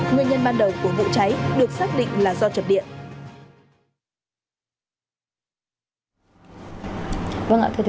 nguyên nhân ban đầu của vụ cháy được xác định là do chập điện